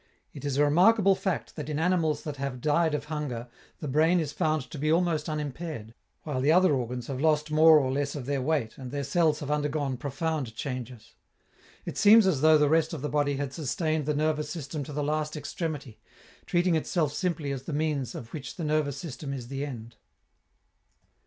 It is a remarkable fact that in animals that have died of hunger the brain is found to be almost unimpaired, while the other organs have lost more or less of their weight and their cells have undergone profound changes. It seems as though the rest of the body had sustained the nervous system to the last extremity, treating itself simply as the means of which the nervous system is the end.